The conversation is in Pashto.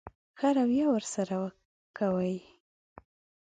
ښه رويه ورسره کوئ.